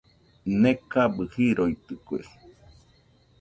Nekabɨ jiroitɨkue.